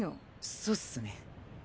そうっすね。